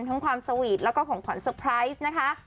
ทั้งความสวีทแล้วก็ของขวัญเตอร์ไพรส์นะคะ